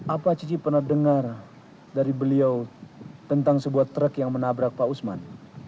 apa cici pernah dengar dari beliau tentang sebuah truk yang menabrak pak usman